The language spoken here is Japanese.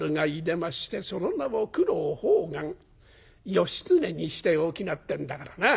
『義経にしておきな』ってんだからな。